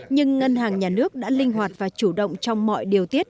nhưng ngân hàng nhà nước đã linh hoạt và chủ động trong mọi điều tiết